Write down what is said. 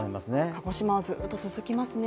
鹿児島はずっと続きますね。